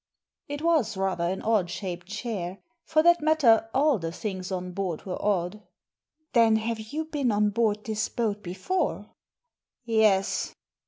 It was rather an odd shaped chair. For that matter, all the things on board were odd. "Then have you been on board this boat before?" " Yes."